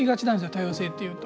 多様性っていうと。